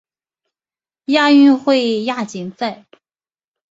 亚运会亚锦赛